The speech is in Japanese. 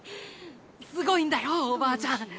すごいんだよおばあちゃん。